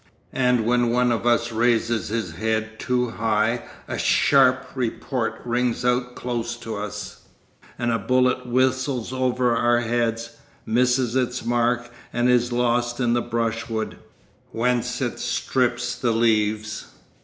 And when one of us raises his head too high a sharp report rings out close to us, and a bullet whistles over our heads, misses its mark, and is lost in the brushwood, whence it strips the leaves.